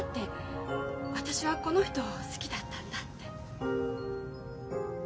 私はこの人を好きだったんだって。